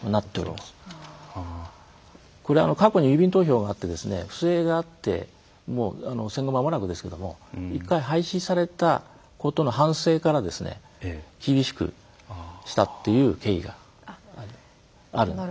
これは過去に郵便投票があって不正があって戦後まもなくですけども一回廃止されたことの反省から厳しくしたっていう経緯があるんです。